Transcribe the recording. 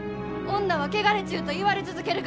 「女は汚れちゅう」と言われ続けるがか！